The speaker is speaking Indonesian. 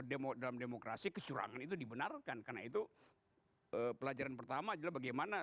demo dalam demokrasi kecurangan itu dibenarkan karena itu pelajaran pertama adalah bagaimana